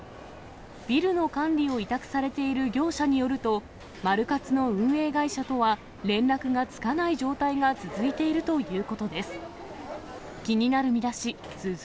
ビルの管理を委託されている業者によると、マルカツの運営会社とは、連絡がつかない状態が続いているということです。